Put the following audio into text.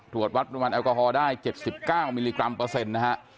ตรวจวัดปริมาณแอลกอฮอล์ได้๗๙มิลลิกรัมเปอร์เซ็นต์นะฮะ